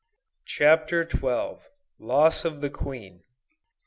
CHAPTER XII. LOSS OF THE QUEEN.